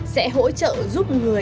sẽ hỗ trợ giúp người